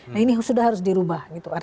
nah ini sudah harus dirubah gitu